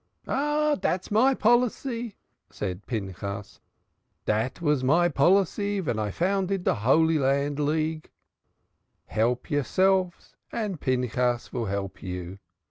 "Ah, dat is mine policee," said Pinchas, "dat was mine policee ven I founded de Holy Land League. Help yourselves and Pinchas vill help you.